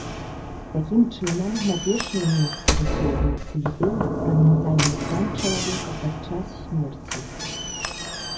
Такім чынам, на першае месца высоўваецца ідэя пра ментальны стан чалавека падчас смерці.